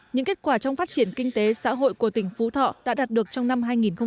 những kết quả trong phát triển kinh tế xã hội của tỉnh phú thọ đã đạt được trong năm hai nghìn một mươi tám